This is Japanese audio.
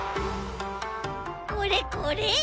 これこれ！